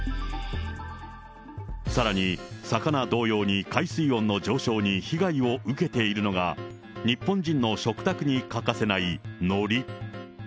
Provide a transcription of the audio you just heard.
さらに魚同様に、海水温の上昇に被害を受けているのが、日本人の食卓に欠かせないのり。